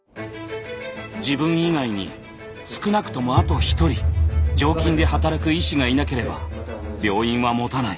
自分以外に少なくともあと１人常勤で働く医師がいなければ病院はもたない。